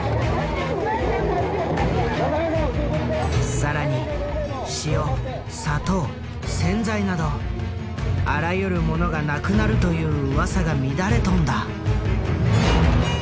更に塩砂糖洗剤などあらゆるものがなくなるといううわさが乱れ飛んだ。